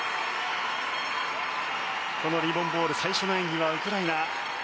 このリボン・ボール最初の演技はウクライナ。